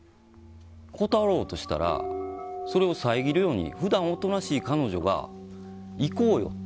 断ろうとしたらそれを遮るように普段おとなしい彼女が行こうよ！って